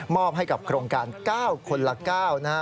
อบให้กับโครงการ๙คนละ๙นะฮะ